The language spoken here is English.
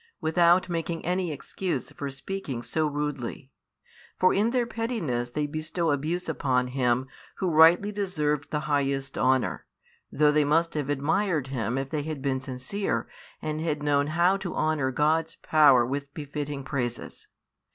without making any excuse for speaking so rudely. For in their pettiness they bestow abuse upon Him Who rightly deserved the highest honour, though they must have admired Him if they had been sincere and had known how to honour God's power with befitting praises.